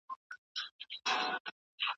د سياست پوهني زده کړه د هر ځوان لپاره لازمه ده.